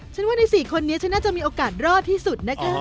ว่าใน๔คนนี้ฉันน่าจะมีโอกาสรอดที่สุดนะคะ